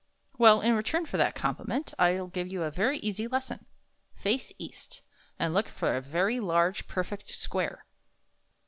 "Well, in return for that compliment, I'll give you a yery easy lesson. Face east, and look for a very large, perfect square."